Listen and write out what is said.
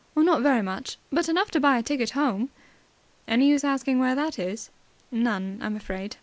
"Not very much. But enough to buy a ticket home." "Any use asking where that is?" "None, I'm afraid."